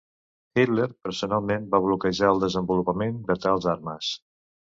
Hitler personalment va bloquejar el desenvolupament de tals armes.